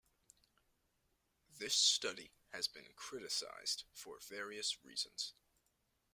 This study has been criticized for various reasons.